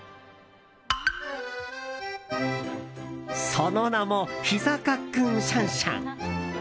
その名もひざかっくんシャンシャン。